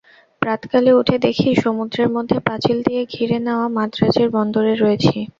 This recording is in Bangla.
প্রাতঃকালে উঠে দেখি, সমুদ্রের মধ্যে পাঁচিল দিয়ে ঘিরে-নেওয়া মান্দ্রাজের বন্দরে রয়েছি।